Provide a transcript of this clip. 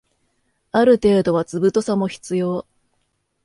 ある程度は図太さも必要